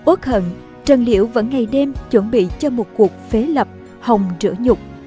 ốc hận trần liễu vẫn ngày đêm chuẩn bị cho một cuộc phế lập hồng trở nhục